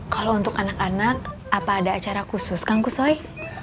kalau untuk anak anak apa ada acara khusus kang kusoi